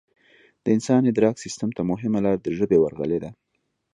د انسان ادراک سیستم ته مهمه لار د ژبې ورغلې ده